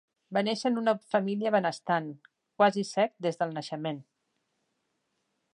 Va néixer en una família benestant, quasi cec des del naixement.